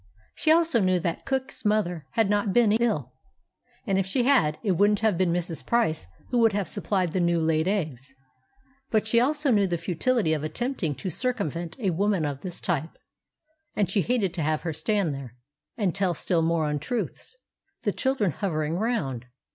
She also knew that cook's mother had not been ill, and if she had, it wouldn't have been Mrs. Price who would have supplied the new laid eggs. But she also knew the futility of attempting to circumvent a woman of this type, and she hated to have her stand there and tell still more untruths, the children hovering round.